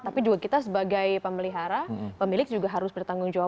tapi juga kita sebagai pemelihara pemilik juga harus bertanggung jawab